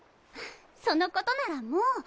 そのことならもう。